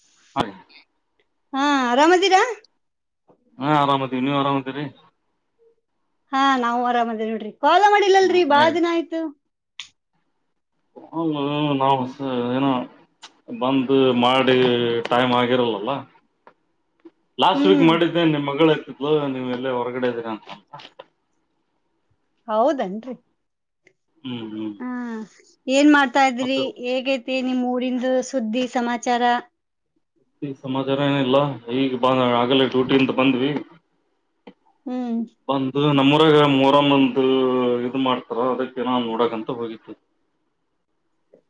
[unintelligible] ಹಾ ಆರಾಮದೀರಾ? ಹಾ ಆರಾಮದ್ದಿವ್, ನೀವ್ ಆರಾಮದಿರಿ? ಹಾ ನಾವು ಆರಾಮದಿವ್ ಬಿಡ್ರಿ ಕಾಲ್ಲೆ ಮಾಡಿಲಲ್ರಿ ಬಾಳ್ ದಿನ ಆಯ್ತು ಅ ನಾವು ಸ ಏನ ಬಂದು ಮಾಡಿ ಟೈಮ್ ಆಗಿರಲ್ಲಲ್ಲ. ಲಾಸ್ಟ್ ವೀಕ್ ಹ್ಮ್ ಮಾಡಿದ್ದೇ ನಿಮ್ ಮಗಳ್ ಎತ್ತಿ ಹ ನೀವ್ ಎಲ್ಲೊ ಹೊರಗಡೆ ಇದ್ದೀರಾ ಅಂತ. ಹೌದನ್ರಿ ಹ್ಮ್ ಹ್ಮ್ ಹಾ ಏನ್ ಮಾಡ್ ತಾ ಇದ್ರಿ ಮತ್ತೆ ಏಗ್ ಐತಿ. ನಿಮ್ ಊರಿಂದು ಸುದ್ದಿ ಸಮಾಚಾರ ಈ ಸಮಾಚಾರ ಏನಿಲ್ಲ ಈಗ್ ಬಾ ಆಗಲೇ ಟ್ಯೂಟಿ ಇಂದ ಬಂದ್ವಿ ಹ್ಮ್ ಬಂದು ನಮ್ಮ ಊರಗ ಮೊರಮ್ಮಂದು ಇದು ಮಾಡ್ತಾರ ಅದಕ್ಕೆ ನಾವ್ ನೋಡಕಂತ ಹೋಗಿದ್ವಿ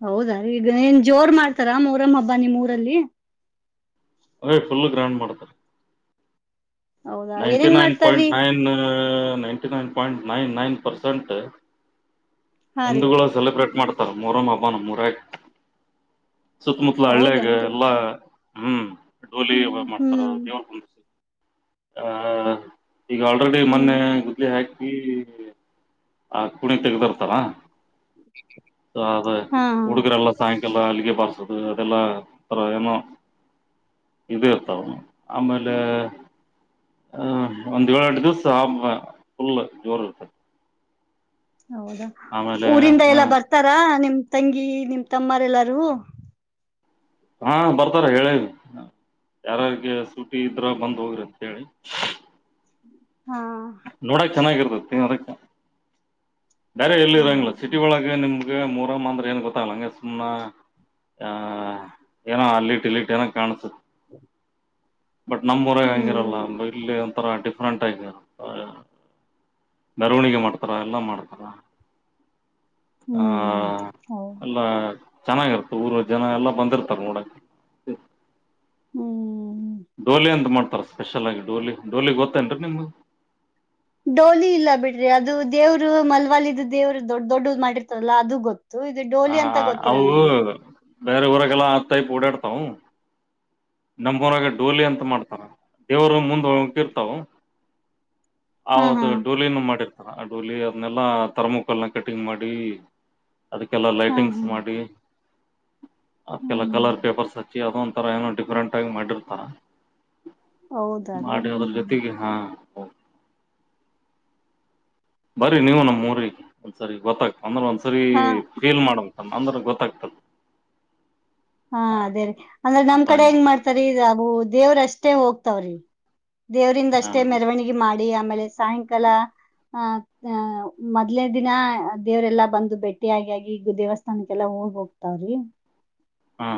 ಹೌದಾ ಈಗ ಏನ್ ಜೋರ್ ಮಾಡ್ತಾರ ಮೊರಮ್ ಹಬ್ಬ ನಿಮ್ ಊರಲ್ಲಿ. ಅಯ್ ಫುಲ್ ಗ್ರ್ಯಾಂಡ್ ಮಾಡ್ತಾರೆ ಹೌದಾ ನೈಂಟಿ ಏನೇನ್ ನೈನ್ ಪಾಯಿಂಟ್ ಮಾಡ್ತಾರೀ ನೈನ್ ಆ ninety nine point nine nine percent ಹಾ ರೀ ಹಿಂದುಗಳ ಸೆಲೆಬ್ರೇಟ್ ಮಾಡ್ತ ತರ್ ಮೊರಂ ಹಬ್ಬ ನಮ್ ಊರಾಗ್ ಸುತ್ಮುತ್ಲ ಹಳ್ಳಿಯಾಗ ಹೌದನ್ರಿ ಎಲ್ಲಾ ಹ್ಮ್ ಡೋಲಿ ಯೋಗ ಹ್ಮ್ ಹ್ಮ್ ಮಾಡ್ತಾರಲ್ಲ ದೇವ್ರುನ್ ಕುಂಡ್ಸಿ ಆ ಈಗ್ ಆಲ್ರೆಡಿ ಹ್ಮ್ ಮೊನ್ನೆ ಗುದ್ಲಿ ಹಾಕ್ ಈ ಆ ಕುಣಿ ತೆಗದರ್ ತವಾ ಹ ಅದೇ ಹಾ ಹುಡ್ಗುರೆಲ್ಲ ಸಾಯಂಕ್ ಎಲ್ಲ ಅಲ್ಗೆ ಬಾರ್ಸದು ಅದೆಲ್ಲಾ ತರ ಏನೋ ಇದು ಇರ್ತಾವ ಆಮೇಲೆ ಹಾಂ ಒಂದ್ ಯೋಳ್ ಎಂಟ್ ದಿವ್ಸ ಆ ಫುಲ್ ಜೋರ್ ಇರ್ತದ್ ಹೌದಾ ಊರಿಂದ ಎಲ್ಲಾ ಬರ್ತಾರಾ ನಿಮ್ ತಂಗಿ ನಿಮ್ ತಮ್ಮರ್ ಎಲ್ಲಾರೂ ಹಾಂ ಬರ್ತಾರೆ ಹೇಳೀನಿ ಅ ಯಾರಾರಿಗೆ ಸುಟಿ ಇದ್ರ ಬಂದ್ ಹೋಗ್ರಿ ಅಂತ್ ಹೇಳಿ [inaudible] ಹಾಂ ನೋಡಾಕ್ ಚೆನ್ನಾಗಿರ್ [unintelligible] ಬೇರೆ ಎಲ್ಲಿ ಹಾ ಇರೋಂಗಿಲ್ಲ ಸಿಟಿ ಒಳಗೆ ನಿಮ್ ಏ ಮೂರಮ್ಮ ಅಂದ್ರೆ ಏನ್ ಗೊತ್ತಾಗಲ್ಲ ಹಂಗೆ ಸುಮ್ನ ಆ ಏನೋ ಅಲ್ಲಿಟ್ ಇಲ್ಲಿಟ್ ಏನೋ ಕಾಣುಸ್ [unintelligible] ಬಟ್ ನಮ್ಮೂರಾಗ್ ಹ್ಮ್ ಹಂಗಿರಲ್ಲ ಬ ಇರ್ಲಿ ಒಂಥರ ಡಿಫ್ ಫ್ರೆಂಟಾಗಿನೊ [unintelligible] ಮೆರವಣಿಗೆ ಮಾಡ್ತಾರ ಎಲ್ಲಾ ಮಾಡ್ತಾರ. ಹ್ಮ್ ಹಾಂ ಹೌ ಎಲ್ಲ ಚೆನ್ನಾಗಿರುತ್ ಊರ ಜನ ಎಲ್ಲಾ ಬಂದಿರ್ತಾರ ನೋಡಕ ಹ್ಮ್ ಡೋಲಿ ಅಂತ್ ಮಾಡ್ತಾರ ಸ್ಪೆಷಲ್ ಆಗಿ ಡೋಲಿ ಡೋಲಿ ಗೊತ್ತೇನ್ರೀ ನಿಮ್ಗ್? ಡೋಲಿ ಇಲ್ಲ ಬಿಡ್ರಿ ಅದು ದೇವ್ರು ಮಲ್ವಾಲಿದ್ದು ದೇವ್ರು ದೊಡ್ ದೊಡ್ಡದ್ ಮಾಡಿರ್ತಾರಲ್ಲಾ ಅದು ಗೊತ್ ತು. ಇದು ಆ ಡೋಲಿ ಅಂತ ಗೊತ್ತಿಲ್ಲ ಅವು ನಮ್ಗೆ. ಬೇರೆ ಊರಗೆೆಲ್ಲ ಆತ್ತಾಯ ಓಡಾಡ್ತವು ನಮ್ಗೂರಾಗ ಡೋಲಿ ಅಂತ ಮಾಡ್ತಾರ, ದೇವರು ಮುಂದೆ ಹೋಗ್ತಿರ್ತವು ಹಾ ಹಾ ಹೌದು ಡೋಲಿನ ಮಾಡಿರ್ ಆ ಡೋಲಿ ಅದ್ನೆಲ್ಲಾ ತರ್ಮಾಕೋಲ್ನಾಗ್ ಕಟಿಂಗ್ ಮಾಡಿ ಅದಕ್ಕೆಲ್ಲ ಹಾ ಲೈಟಿಂಗ್ಸ್ ಹಾ ಮಾಡಿ ಅದ್ಕೆಲ್ಲ ಹ್ಮ್ ಕಲರ್ ಪೇಪರ್ಸ್ ಹಚ್ಚಿ ಅದುನ್ [inaudible] ದುರಂತಗಿ ಮಾಡಿರ್ತಾ ಹೌದಾ ರೀ ಮಾಡಿ ಅದ್ರ ಹ್ಮ್ ಜೊತೆಗೆ ಹಾ ಹಾ ಬರೀ ನೀವು ನಮ್ಮ್ ಊರಿಗೆ ಒಂದ್ಸರಿ ಗೊತ್ತಾಗ್ತದೆ ಅಂದ್ರ ಒಂದು ಸಾರಿ ಹಾ ಫೀಲ್ ನ ಅಂದ್ರ ಗೊತ್ತಾಗ್ತದೆ ಹಾ ಅದೇ ರೀ ಅಂದ್ರೆ ನಮ್ ಕಡೆ ಹೆಂಗ್ ಮಾಡ್ತಾರೆ ಅವು ದೇವ್ರಷ್ಟೇ ಹೋಗ್ತಾವ್ರಿ ಹ ದೇವರಿಂದಷ್ಟೇ ಮೆರವಣಿಗೆ ಮಾಡಿ ಆಮೇಲೆ ಸಾಯಂಕಾಲ ಅಹ ಅ ಮೊದ್ನೇ ದಿನ ದೇವರೆಲ್ಲಾ ಬಂದು ಭೇಟ್ಟಿಯಾಗಿ ಆಗಿ ಈಗ ದೇವಸ್ಥಾನಕ್ಕೆಲ್ಲಾ ಹೋಗಿ ಹೋಗ್ತಾವ್ರಿ ಹಾ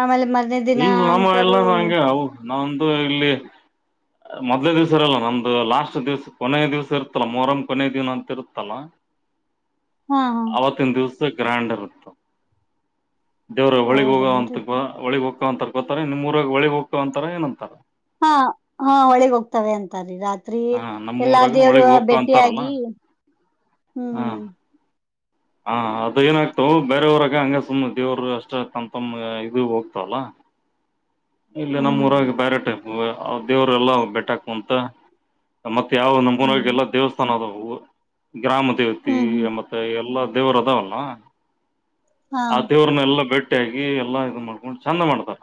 ಆಮೇಲೆ ಮರ್ನೇ ದಿನ ಇಲ್ಲ ನಮ್ಮ ಇಲ್ಲ ಅನ್ಕರು ನಂಗೆ ಅವ ನಾವಂದು ಇಲ್ಲಿ ಮೊದ್ಲೇ ದಿವ್ಸ ಇರಲ್ಲ ನಮ್ದು ಲಾಸ್ಟ್ ದಿವ್ಸ ಕೊನ ದಿವ್ಸ ಇತ್ತತಲ್ಲಾ ಮೂರಂಗ ಕೊನೆಯ ದಿನ ಅಂತ ಇರುತ್ತಲ್ಲ ಹಾ ಹಾ ಅವತುನ್ದುಸ್ ಅದ್ಕೆ ಗ್ರಾಂಡರ್ ಅಂತ ದೇವ್ರ ಹೊಳಿಗ್ ಹೋಗುವ ಹೌದನ್ರಿ ಅಂತ ಹೊಳಗ್ ಹೋಗ ಅಂತರ್ ಕೋತಾರೆ ನಿಮ್ ಊರಗ್ ಒಳಗ್ ಹೋಗ್ತರ್ ಅಂತಾರ ಏನಂತಾರ ಹಾ ಹಾ ಒಳಗ್ ಹೋಗ್ತವೆ ಅಂತಾರೀ ರಾತ್ರಿ ಹಾ ರಾತ್ರಿ ಎಲ್ಲಾ ನಮ್ಮೂರಾಗನ ದೇವರು ಒಳಿಗ್ ಹೋಗವ ಅಂತಾರಲ್ಲ ಭೇಟಿಯಾಗಿ ಹ ಹ್ಮ್ ಹ ಅದ ಏನಾಗ್ತವೆ ಬೇರೆಯವ್ರಾಗ ಹಂಗ ಸುಮ್ಮ್ ದೇವರು ಅಷ್ಟೇ ತಮ್ ತಮ ಇದು ಹೋಗ್ತವಲ್ಲ ಇಲ್ಲ ಹ್ಮ್ ಹ್ಮ್ ನಮ್ಮ್ಊರಗ ಬ್ಯಾರೆ ಟೈಮ್ ದೇವ್ರಲ್ಲ ಬೆಟಕ್ ಅಂತ ಮತ್ತತ್ ಯಾವ ಹ್ಮ್ ನಮಮ್ಮನಾಗ ಎಲ್ಲ ದೇವಸ್ಥಾನ ಅದವು ಗ್ರಾಮದೇವತಿ ಹ್ಮ್ ಹ್ಮ್ ಮತ್ತೆ ಎಲ್ಲಾ ದೇವರದ ಒಲ್ಲ ಹಾ ಆ ದೇವ್ರನ್ನೆಲ್ಲ ಬೆಟ್ಟು ಗಟ್ಟ ಆಗಿ ಎಲ್ಲಾ ಇದ ಮಾಡ್ಕೊಂಡು ಚೆಂದ ಮಾಡ್ತಾರ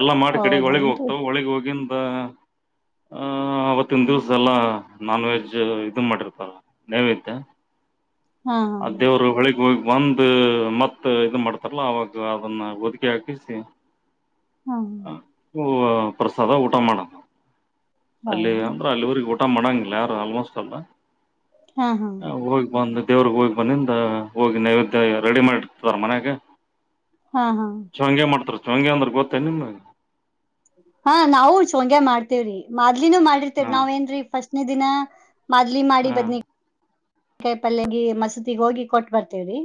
ಎಲ್ಲಾ ಮಾಡಿ ಕಡೆ ಹೊಳಗ್ ಹೌದೇನ್ರಿ ಹೋಗ್ತಾವ ಹೊಳಿಗ್ ಹೋಗಿ ಹ ಅವವತ್ತಿನ ಹ್ಮ್ ದಿವ್ಸ ಎಲ್ಲಾ ನಾನ್ ವೆಜ್ ಇದು ಮಾಡಿರ್ತಲ್ ನೈವೇದ್ಯ ಹಾ ಹಾ ಅ ದೇವ್ರು ಹೊಳಿಗ್ ಹೋಗ ಒಂದು ಮತ್ ಇದ ಮಾಡ್ತಾರಲ್ಲ ಅವಾಗ ಅದನ್ನ ಹೊದಕಿ ಹಾಕಿಸಿ ಹ್ಮ ಹ ಪ್ರಸಾದ ಊಟ ಮಾಡೋಣ ಅಲ್ಲಿ ಹೌದ ಅಂದ್ರೆ ಅಲ್ಲಿಊರಿಗೆ ಊಟ ಮಾಡಂಗ ಯಾರು ಆಲ್ಮೋಸ್ಟ್ ಅಲ್ಲ ಹಾ ಹಾ ಹ ಹೋಗ ಬಂದ ದೇವ್ರಗ್ ಹೋಗಿ ಬಂದಿಂದ ಹೋಗಿ ನೈವೇದ್ಯ ರೆಡಿ ಮಾಡಿರ್ತಾರ ಮನ್ಯಾಗ ಹಾ ಹಾ ಹಂಗೆ ಮಾಡ್ತಾರ ಶಂಗೆ ಅಂದ್ರ ಗೊತ್ತ ನಿಮಗೆ ಹಾ ನಾವು ಚಂಗ್ಯ ಮಾಡ್ತೇವ್ರಿ ಮದ್ಲಿನೂ ಮಾಡಿರ್ತೇರಿ ಹಾ ನಾವ್ ಏನ್ ಫಸ್ಟ್ನ ದಿನ ಮದ್ಲಿ ಮಾಡಿ ಹಾ ಬದ್ನಿ ಕಾಯಿ ಪಲ್ಯಗ ಮಸೂತಿಗ್ ಹೋಗಿ ಕೊಟ್ ಬರ್ತೇವ್ರಿ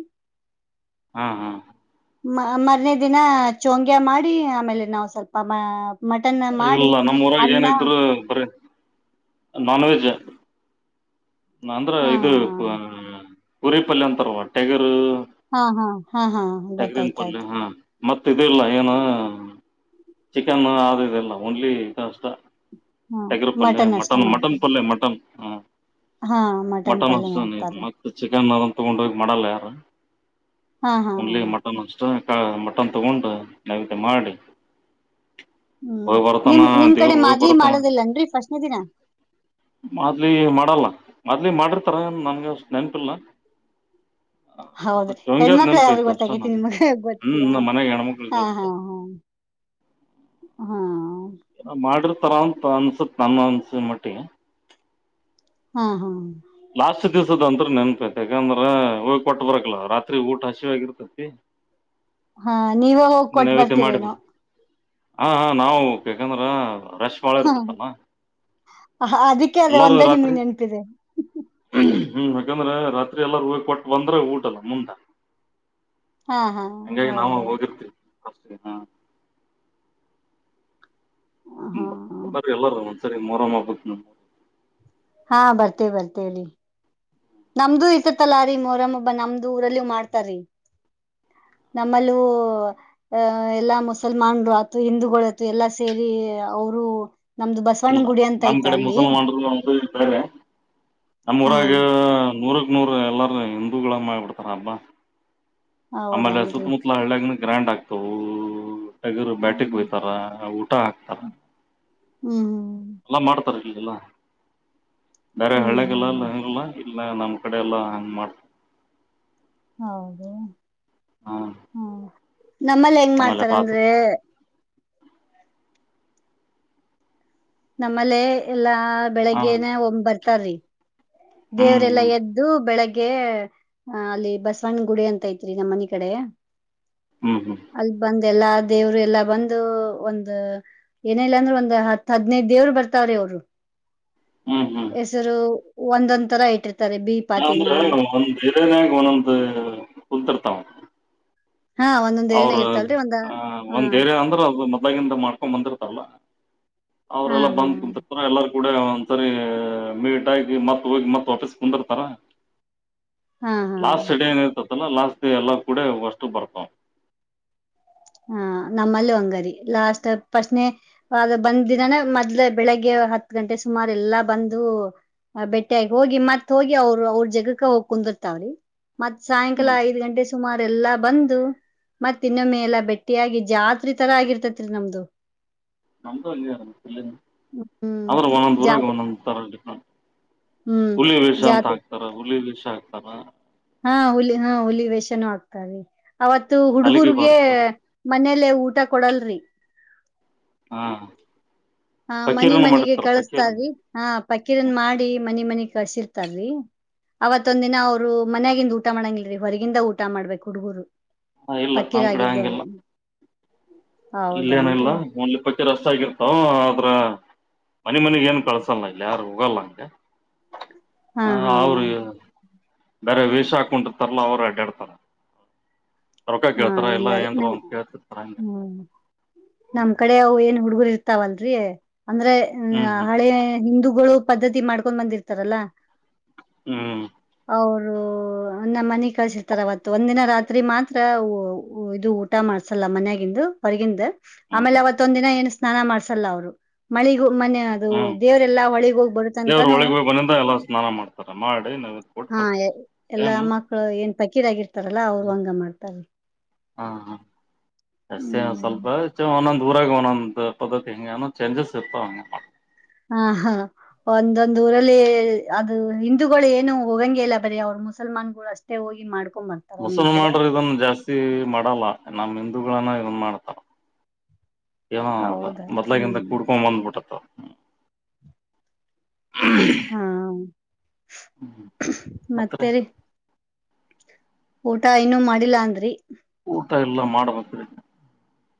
ಹಾ ಹಾ ಮ ಮರನೇ ದಿನ ಚಂಗ್ಯಾ ಮಾಡಿ ಆಮೇಲೆ ನಾವು ಸ್ವಲ್ಪ ಮಟನ್ ಮಾಡಿ ಇಲ್ಲ ನಮ್ಮ್ ಊರಾಗ ಅನ್ನ ಏನ ಇದ್ರು ಬರಿ ನಾನ್ವೆೆಜ್ ಅಂದ್ರ ಇದು ಹಾ ಕುರಿಪಲ್ಯ ಅಂತಾರವಾ ಟೆಗರು ಹಾ ಹಾ ಹಾ ಹಾ ಟಗ್ರಿನ್ ಗೊತ್ತಾಯ್ತ ಪಲ್ಯ ಆಯ್ತು ಹಾ ಮತ್ತ ಇಿಲ್ಲ ಏನು ಚಿಕನ್ ಆದಿದೆ ಓನ್ಲಿ [unintelligible] ಹಾ ಟಗರ್ ಪಲ್ಯ ಅಷ್ಟೇ ಮಟನ್ ಮಟನ್ ಮಾಡ್ತಾರೆ ಪಲ್ಯ ಮಟನ್ ಹ್ಮ ಹಾ ಮಟನ್ ಪಲ್ಯ ಅಷ್ಟಒಂದು ಮಾಡ್ತಾರೆ ಮತ್ತ ಚಿಕನ್ ಅ ತಗೊಂಡು ಹೋಗ ಮಾಡಲ್ಲ ಯಾರು ಹಾ ಹಾ ಒನ್ಲಿ ಮಟನ್ ಅಷ್ಟೇ ಮಟ್ಟನ್ ತಗೊಂಡು ನೈವೇದ್ಯ ಮಾಡಿ ಹ್ಮ್ ಹೋಗಿ ಬರ್ತಾನ ನಿಮ ನಿಮ್ ಕಡೆ ದೇವ್ರ ಹೋಗಿ ಮಾದ್ಲಿ ಬರ್ತಾನ ಮಾಡೋದಿಲ್ಲಏನ್ರಿ ಫಸ್ಟ್ನೇ ದಿನ ಮಾದ್ಲಿ ಮಾಡಿರ್ತಾರ ಏನ್ ನನ್ಗೆಷ್ಟ ನೆನಪಿಲ್ಲ ಹೌದು ಚೊಂಗ್ಯದ್ ಹೆಣ್ಮಕ್ಳ ಯಾದೂ ನೆನಪೈತೆ ಅಷ್ಟ ಗೊತ್ತಾಗತಿ ನನ್ ನಿಮಗ್ ಹ್ಮ್ ಗೊತ್ತಯಾ ನಮ್ ಮನೆಗ್ ಹೆಣ್ಮಕ್ಳಿಗೆ ಹಾ ಗೊತ್ತ ಹಾ ಹ ಹಾ ಮ [unintelligible] ಮಾಡಿರ್ತಾರ ಅಂತ ಅನ್ಸತ್ ನನ್ನ ಅನ್ಸ ಮಟ್ಟಿಗೆ ಹಾ ಹಾ ಲಾಸ್ಟ್ ದಿವಸದ ಅಂದ್ರ ನೆನ್ಪೈತಿ ಯಾಕಂದ್ರ ಹೋಗಿ ಕೊಟ್ಟ ಬರಬೇಕಲ್ಲ ರಾತ್ರಿ ಊಟ ಹಸಿವಆಗಿರ್ತತಿ ಹಾ ನೀವೇ ಹೋಗಕೊಟ್ಟ ಬರ್ತೀರೇನೋ ಹ ಹಾ ನಾವು ಯಾಕಂದ್ರ ರಶ್ ಬಾಳ ಹಾ ಇರ್ತತಲ್ಲ ಅ ಅದಕ್ಕೆ ಅದ ಎಲ್ಲಾರೂ ಒಂದೇ ನಿಮಗ್ ರಾತ್ರಿ ನೆನಪಿದೆ. ಹ್ಮ್ ಯಾಕಂದ್ರೆ ರಾತ್ರಿ ಎಲ್ಲರೂ ಹೋಗಿ ಕೊಟ್ಟ ಬಂದ್ರ ಊಟದ ಮುಂದ. ಹಾ ಹಾ ಹೌದೌದು. ಹ ಹಾ ಹಾ ಬ ಬರೀ ಎಲ್ಲಾರ. ಸರಿ ಮೋರಮ್ ಹಬ್ಬಕ. ಹಾ ಬರ್ತೆವಿ ಬರ್ತೆವಿ ರಿ. ನಮ್ದು ಇರ್ತತಲ್ಲ ರೀ ಮೊರಮ್ಮ ಹಬ್ಬ ನಮ್ದು ಊರಲ್ಲಿ ಮಾಡ್ತಾರೀ ನಮ್ಮಲ್ಲೂ ಅಹ ಎಲ್ಲಾ ಮುಸಲ್ಮಾನ್ರು ಆತು ಹಿಂದೂಗಳು ಆತು ಎಲ್ಲಾ ಸೇರಿ ಅವರು ಇಲ್ಲ ನಮ್ ಕಡೆ ಮುಸಲ್ಮಾನರು ಒಂದ ಕಡೆ ಬೇರೆ ನಮ್ ಹಾ ಊರಾಗ ನೂರಕ್ ನೂರ ಎಲ್ಲಾರ ಹಿಂದೂಗಳ ಮಾಡಿಬಿಡ್ತಾರ ಹಬ್ಬಾ. ಆಮೇಲೆ ಹೌದನ್ರಿ ಸುತ್ತಮುತ್ತಲ ಹಳ್ಯಾಗ್. ಗ್ರ್ಯಾಂಡ್ ಆಗ್ತವು. ಟಗರು ಬ್ಯಾಟಿಗೆ ಹ್ಮ್ ಕೊಯ್ತಾರ ಊಟ ಹಾಕ್ತಾರ ಹ್ಮ್ ಎಲ್ಲ ಮಾಡ್ತಾರೆ. ಇಲ್ಲ. ಬೇರೆ ಹ್ಮ್ ಹಳ್ಯಾಗೆಲ್ಲಾ ಹ್ಮ್ ಅಲ್ಲಿ ಆಗಂಗಿಲ್ಲ. ಎಲ್ಲ ನಮ್ ಕಡೆ ಎಲ್ಲಾ ಹಂಗ್ ಮಾಡ್ತ. ಹೌದು. ಹ್ಮ ನಮ್ಮಲ್ಲಿ ಹೆಂಗ ಆಮೇಲೆ ರಾತ್ರಿ ಮಾಡ್ತಾರಂದ್ರೇ ನಮ್ಮಲ್ಲೇ ಎಲ್ಲಾ ಹಾ ಬೆಳಿಗ್ಗೆನೆ ಒಂಬತ್ತ ತರಿ ಹ್ಮ್ ದೇವರೆಲ್ಲಾ ಹ್ಮ್ ಎದ್ದು ಬೆಳಗ್ಗೆ ಗೆ ಅ ಅಲ್ಲಿ ಬಸವಣ್ಣನ ಗುಡಿ ಅಂತ ಐತ್ರಿ ನಮ್ಮ್ ಮನಿ ಕಡೆ ಹ್ಮ್ ಹ್ಮ್ ಅಲ್ ಬಂದ್ ಎಲ್ಲಾ ದೇವ್ರು ಎಲ್ಲಾ ಬಂದು ಒಂದ ಏನ ಇಲ್ಲ ಅಂದ್ರೆ ಒಂದ್ ಹತ್ ಹದ್ನೈದ ದೇವ್ರು ಬರ್ತಾವ್ರಿ ಅವರು. ಹ್ಮ್ ಹ್ಮ್ ಹ್ಮ್ ಎಸರು. ಒಂದೊಂದ್ ತರ ಇಟ್ಟಿರ್ತಾರ್. ಅಂದ್ರ ಒಂದ ಬಿದಿನ್ಯಾಗ್ ಒಂದೊಂದು ಕುಂತಿರ್ತಾವ. ಹಾ ಒಂದೊಂದ್ ಅವ್ರ ಏರಿನಾಗ ಇರ್ತಲ್ರಿ ಒಂದ ಅ ಹಾ ಒಂದ ಏರಿಯ ಅಂದ್ರೆ ಅದು ಮ ಗಿಂದ ಮಾಡಕೊಂಡ ಬಂದರತಾರಲ್ಲ. ಹಾ ಅವ್ರೆಲ್ಲ ಹಾ ಬಂದ ಕುಂತಿರ್ತಾರ ಎಲ್ಲಾರ ಕೂಡೆ ಸರಿ ಮೀಟಾಗಿ ಮತ್ತ ಹೋಗಿ ಮತ್ತ ವಾಫೀಸ್ ಬಂದಿರ್ತಾರ. ಹಾ ಹಾ ಲಾಸ್ಟ್ ಸಡೆ ಏನಿರ್ತಿದ ಲಾಸ್ಟ್ ದ ಎಲ್ಲಾ ಕೂಡ ಹೋಗ ಅಷ್ಟು ಬರ್ತ್ ಹಾ ನಮ್ಮಲ್ಲ ಒಂಗರಿ ಲಾಸ್ಟ್ ಪ್ರಶ್ನೆ ಅದ ಬಂದ ದಿನಾನ ಮೊದ್ಲೆ ಬೆಳಿಗ್ಗೆ ಹತ್ ಗಂಟೆ ಸುಮಾರ ಎಲ್ಲಾ ಬಂದು ಬೆಟ್ಟಿಯಾಗಿ ಹೋಗಿ ಮತ್ತ್ ಹೋಗಿ ಅವರು ಅವ್ರ ಜಗಕ್ಕ ಹೋಗಿ ಕುಂದಿರ್ತಾವ್ರಿ ಮತ್ತತ್ ಸಾಯಂಕಾಲ ಹ್ಮ್ ಐದ್ ಗಂಟೆ ಸುಮಾರು ಅವ ಎಲ್ಲಾ ಬಂದು ಮತ್ತ ಇನ್ನೊಮ್ಮೆ ಹ್ಮ್ ಎ ಬೆಟ್ಟ ಟ್ಟಿಯಾಗಿ ಜಾತ್ರಿ ತರ ಆಗಿರ್ತತ್ರಿ ನಮ್ದು ನಮ ಹ್ಮ್ ಆದ್ರೆ ಒಂದೊಂದು ಊರಾಗ ಜಾತ್ರೆ ಒಂದೊಂದು ತರ ಹ್ಮ್ ಹುಲಿ ವಷ ಅಂತ ಜಾತ್ರೆ ಹಾಕ್ತಾರ ಹುಲಿ ಬಷ ಹಾಕ್ತ ಅ ಹಾ ಹುಲಿ ಹಾ ಹುಲಿ ವೇಷನೂ ಆಗ್ತೀ ಅವತ್ತು ಅಲ್ಲಿಗೆ ಹುಡುಗುರ್ಗೆ ಬಾರಸ್ತಾರ ಮನೇಲ್ಲ ಊಟ ಕೊಡಲ್ರಿ ಹಾ ಹ ಮನೆ ಪಕೀರನ ಮನೆಗೆ ಮಾಡಿರ್ತಾರ ಪಕೀರನ ಕಳಸ್ತಾರೀ ಹಾ ಪಕೀರನ್ ಮಾಡಿ ಮನೆ ಮನೆ ಕಳ್ಸಿರ್ತಾರ್ರೀ ಅವತ್ೊಂದ ದಿನ ಅವ್ರು ಮನ್ಯಾಗಿಿಂದ ಊಟ ಮಾಡಂಗಲ್ರರಿ ಹೊರಗಿಂದ ಊಟ ಮಾಡ್ಬೇಕಕ್ ಹುಡುಗುರು ಹ ಇಲ್ಲ ನಮ್ ಕಡೆ ಹಂಗಿಲ್ಲ ಇಲ್ಲೇಏನ ಇಲ್ಲ ಹೌದನ್ರಿ ಒಂದಲಿ ಪಕ್ಕಿ ರಸ್ ಆಗಿರ್ತಾವ ಮನೆ ಮನೆಗ್ ಏನು ಕಳ್ಸಲ್ಲ ಇಲ್ಲ ಯಾರು ಹೋಗಲ್ಲ ಹಂಗೆ ಹಾ ಅವರು ಬೇರೆ ವೀಷ ಹಾಕೊಂಡಿತರ್ಲ್ಲ ಅವ್ರ ಕೆಡ್ತದ ರರೊಕ ಹಾ ಕೇಳ್ತಾರ ಎಲ್ಲ ಇಲ್ಲರಿ ಏನ್ ನ ಒಂದ್ ಕೇಳ್ತಿರ್ತಾರ ಹಂಗ ಹ್ಮ್ ನಮ್ ಕಡೆ ಅವು ಏನು ಹುಡುಗರು ಇರ್ತಾವಲ್ರರಿ ಅಂದ್ರೆ ಹ್ಮ್ ಹ್ಮ್ ಹಳೆ ಹಿಂದೂಗಳು ಪದ್ಧತಿ ಮಾಡ್ಕೊಂಡ್ ಬಂದಿರ್ತಾರಲ್ಲ ಹ್ಮ್ ಅವರು ನಮ್ಮ ಮನೆಿ ಕಳ್ಸಿರ್ತಾರ ಅವತ್ತು ಒಂದ ದಿನ ರಾತ್ರಿ ಮಾತ್ರ ಇದು ಊಟ ಮಾಡಸಲ್ಲ ಮನ್ಯಾಗಿಂದು ಹೊರಗಿಂದ ಹ್ಮ್ ಆಮೇಲೆ ಹ್ಮ್ ಅವತ್ತೊಂದ ದಿನ ಏನ ಸ್ನಾನ ಮಾಡ್ಸಲ್ಲ ಅವರು ಮಳೆಗೆ ಮನ ಅದು ಹ್ಮ್ ದೇವರೆಲ್ಲಾ ಹೊಳಿಗ ಹೋಗ್ ದೇವ್ರ ಬರುತ್ತನ್ಕಾನು ಒಳಗ್ ಹೋಗಿ ಬಂದಿಂದ ಎಲ್ಲಾ ಸ್ನಾನ ಮಾಡ್ತಾರ ಮಾಡಿ ನೈವೇದ್ಯ ಕೊಟ್ಟು ಹ ಬರ್ತಾರ ಎಲ್ಲಾ ಸೇಮ್ ಮಕ್ಕಳು ಏ ಬಕೀ ಆಗಿ [unintelligible] ಡಲ್ಲ ಅವ್ರು ಹಂಗ ಮಾಡ್ತಾರೆ ತಾವ ಹ್ಮ ಎಷ್ಟೇ ಹ್ಮ್ ಸ್ವಲ್ಪ ಒಂದೊಂದ್ ಊರಾಗ ಒಂದೊಂದ ಪದ್ದತಿ ಹಂಗೆ ಚೇಂಜಸ್ ಇರ್ತಾವ ಹಂ ಮಾಡ ಹಾ ಹಾ ಒಂದೊಂದ್ ಊರಲ್ಲಿ ಅದು ಹಿಂದೂಗಳು ಏನು ಹೋಗಂಗಗೆ ಇಲ್ಲ ಬರ ಅವ್ರು ಮುಸಲ್ಮಾನ್ ಗಳು ಅಷ್ಟೇ ಹೋಗಿ ಮಾಡ್ಬು ಮಸಲ್ ಮಾಡಾರ ಇದನ್ ಜಾಸ್ತಿ ಮಾಡಲ್ಲ ನಮ್ಮ್ ಹಿಂದೂಗಳನ್ನ ಇದನ್ ಮಾಡ್ತಾವ ಏನೂ ಹೌದಾಯ್ತು ಮೊದ್ಲಗಿಂತ ಕ ಹ್ಮ್ ಕುಡ್ಕೊ ಬಂದ್ಬಿಟ್ಟತ್ತ ಹಾ ಮತ್ರಿ ಮತ್ತೆರಿ ಊಟ ಇನುೂ ಮಾಡಿಲ್ಲಾ ಅಂದ್ರಿ ಊಟ ಎಲ್ಲ ಮಾಡಬೇಕ್ರ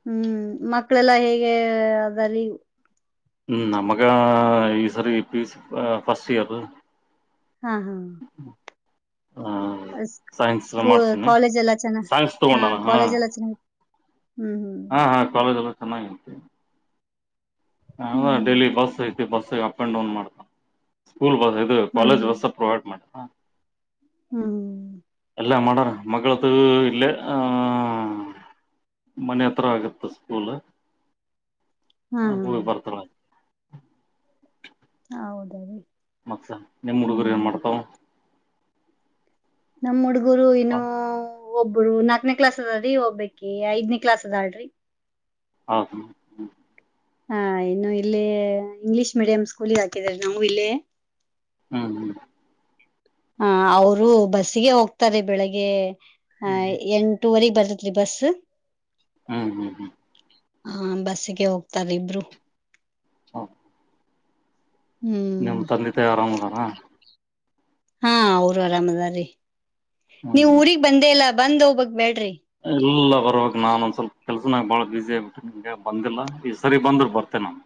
ಹ್ಮ್ ಮಕ್ಕಳೆಲ್ಲಾ ಹೇಗೆ ಅಂದರೀ ಹ್ಮ್ ನಮಗ ಈ ಸರಿ ಪಿ ಸಿ ಫಸ್ಟ್ ಇಯರ್ ಹಾ ಹಾ ಸೈನ್ಸ್ ಸ್ಕೂ ಮಾಡ್ಸೀನಿ ಕಾಲೇಜ್ ಎಲ್ಲ ಚೆನ್ನ ಸೈನ್ಸ್ ಹಾ ತಗೊಂಡಾನ ಕಾಲೇಜ್ ಎಲ್ಲ ಚೆನ್ನಾಗಿ ಹ್ಮ್ ಹಾ ಹಾ ಕಾಲೇಜ ಸಮಯಕ್ಕೆ ಹೌದ ಹ್ಮ್ daily bus bus up and down ಮಾಡ್ತಾ ಸ್ಕೂಲ್ ಬಸ್ ಇದು ಕಾಲೇಜ್ ಬಸ್ ಪ್ರೊವೈಡ್ ಮಾಡಿ ಹಾ ಹ್ಮ ಎಲ್ಲ ಮಾಡಾರ ಮಗಳ್ದ ಇಲ್ಲೇ ಆ ಮನೆ ಹತ್ರ ಆಗತ್ತ ಸ್ಕೂಲ್ ಹ್ ಹ್ಮ್ ಬರ್ತರ ಹ ಹೌದ ರೀ ಮತ್ತ ನಿಮ್ಮ ಹುಡುಗರು ಏನ್ ಹ್ಮ್ ಮಾಡ್ತಾವ ನಮ್ಮಡು ಗುರುವ ಇನೋ ಒಬ್ರು ನಾಲ್ಕನೇ ಕ್ಲಾಸ್ ಅದ್ರಿ ಒಬ್ಬಕಿ ಐದನೇ ಕ್ಲಾಸ್ ಅದಾಳ್ರಿ ಹೌದು ಹಾ ಇನ್ನು ಇಲ್ಲೇ ಇಂಗ್ಲಿಷ್ ಮೀಡಿಯಂ ಸ್ಕೂಲಿಗೆ ಹಾಕಿದ್ರ ನಾವು ಇಲ್ಲೇ ಹ್ಮ್ ಹ್ಮ್ ಹ ಅವರು ಬಸ್ಸಿಗೆ ಹೋಗ್ತಾರೆ ಬೆಳಿಗ್ಗೆ ಹ ಎಂಟೂವರೆಗೆ ಬರ್ತ ಸಿಲೆಬಸ್ ಹ್ಮ್ ಹ್ಮ್ ಹ್ಮ್ ಹ ಬಸ್ಸಿಗೆ ಹೋಗ್ತಾರ ಇಬ್ರು [unintelligible] ಹ್ಮ್ ನಮ್ ತಂದೆ ತಾಯ ಆರಾಮದಾರ ಹಾ ಅವರು ಅರಾಮದಾರಿ ನೀವ ಹ್ಮ್ ಊರಿಗಿ ಬಂದೇ ಇಲ್ಲ ಬಂದ್ ಹೊಬಾಕ್ಬೇಡ್ರಿ ಎಲ್ಲ ಬರುವಾಗ ನಾನ ಒಂದ್ ಸ್ವಲ್ಪ ಕೆಲ್ಸನಾಗ ಬಾಳ ಬಸಿ ಆಗ್ಬಿಟ್ಟ ನಿಮಗೆ ಬಂದಿಲ್ಲ ಈ ಸರಿ ಬಂದ್ರ ಬರ್ತೆೇನೆ ನ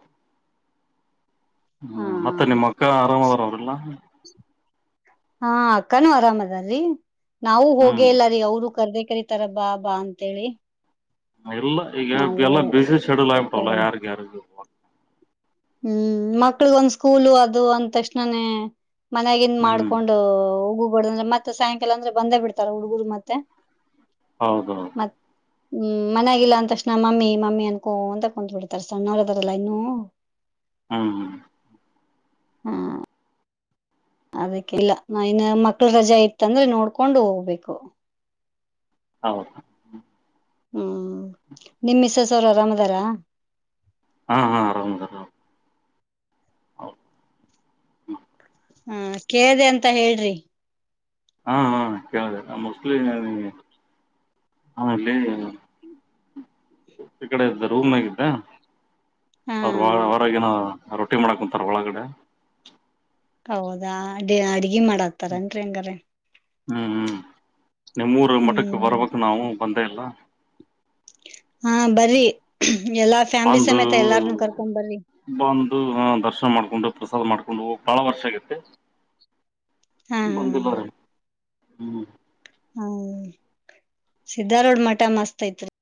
ಹಾ ಹ್ಮ್ ಮತ್ತೆ ನಿಮ್ಮ ಅಕ್ಕ ಆರಾಮದ್ರ ಅವ್ರಲ್ಲ ಹಾ ಅಕ್ಕಾನೂ ಅರಾಮ್ ಅದರಿ ನಾವು ಹೋಗೇ ಹ್ಮ್ ಇಲ್ಲ ರೀ ಅವ್ರು ಕರ್ದ ಕರತಾರ ಬಾ ಬಾ ಅಂತೇಳಿ ಎಲ್ಲ ಈಗ ನಾವು ಎಲ್ಲ ಬಿ ಬಿಸಿಸ ಶೆಡ್ಯೂಲ್ ಆಗಿಟಾವಲ್ಲ ಯಾರು ಯಾರ ಹ್ಮ್ ಮಕ್ಳಗ ಒಂದ್ ಸ್ಕೂಲು ಅದು ಅಂತಕ್ಷ್ಣನೆೇ ಮನ್ಯಾಗಿನ್ ಹ್ಮ್ ಮಾಡ್ಕೊಂಡ ಹೋಗ ಹ ಅ್ರ ಮತ್ತೆ ಸಾಯಂಕಾಲ ಅಂದ್ರೆ ಬಂದೇ ಬಿಡ್ತಾರ ಹುಡ್ಗರು ಮತ್ತೆ ಹೌದೌದು ಮತ್ ಹ್ಮ್ ಮನ್ಯಾಗಿಲ್ಲ ಅಂದ ತಕ್ಷಣ ಮಮ್ಮಿ ಮಮ್ಮಿ ಅನ್ಕೊ ಅಂತಕ ಕುಂದ್ ಬಿಡ್ತಾರ ಸಣ್ಣವರದಾರಲ್ಲಾ ಇನ್ನುೂ ಹ್ಮ ಹ್ಮ್ ಹಾ ಅದಕ್ಕೆ ಇಲ್ಲ ನಾ ಇನ್ ಮಕ್ಳ ರಜೆ ಇತ್ತಂದ್ರೆ ನೋಡ್ಕೊಂಡು ಹೋಗ್ಬೇಕು ಹೌದು ಹ್ಮ ನಿಮ್ಮಸಸ ಅವರು ಆರಾಮದಾರ ಹಾ ಹಾ ಆರಾಮ ಆರಾಮ ಹೌ ಹಾ ಕೇಳ್ದ ಅಂತ ಹೇಳ್ರಿ ಹಾ ಹಾ ಕೇಳಿದೆ ಮೋಸ್ಟ್ಲಿ ಆಮಲ್ಲಿ ಈ ಕಡೆ ಇದ್ದ ರೂಮ್ಗಿದ್ದೆ ಹಾ ಅವರು ಅವರಗನೋ ರೊಟ್ಟಿ ಮಾಡಕ್ ಕುಂತಾರ ಒಳಗಡೆ ಹೌದಾ ಅ [unintelligible] ಹ್ಮ್ ಹ್ಮ್ ನಿಮೂರು ಮಠಕ್ಕೆ ಹ್ಮ್ ಬರಬೇಕ ನಾವು ಒಂದೇ ಇಲ ಹಾ ಬರ್ರಿ ಎಲ್ಲಾ ಫ್ಯಾಮಿಲಿ ಬಂದು ಸಮೇತ ಎಲ್ಲಾರ್ನು ಕರ್ಕೊಂಡ್ ಬರ್ರಿ ಬಂದು ದರ್ಶನ ಮಾಡ್ಕೊಂಡು ಪ್ರಸಾದ್ ಮಾಡ್ಕೊಂಡು ಹೋಗ ಬಾಳ ವರ್ಷಗೈತಿ ಹಾ ಬಂದುಲಾರೆ ಹ್ಮ್ ಹ್ಮ ಸಿದ್ಧರೋಡ್ ಮಠ ಮಸ್ತ್ ಐತ